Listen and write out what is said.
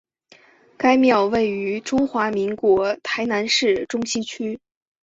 该庙位于中华民国台南市中西区。